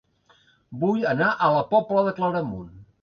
Vull anar a La Pobla de Claramunt